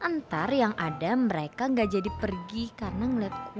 ntar yang ada mereka gak jadi pergi karena ngeliat gue tambah sakit